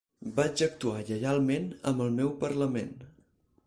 Vaig actuar lleialment amb el meu parlament.